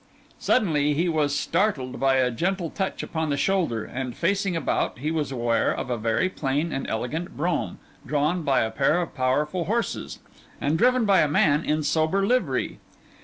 Suddenly he was startled by a gentle touch upon the shoulder, and facing about, he was aware of a very plain and elegant brougham, drawn by a pair of powerful horses, and driven by a man in sober livery.